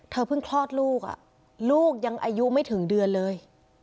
เพิ่งคลอดลูกลูกยังอายุไม่ถึงเดือนเลย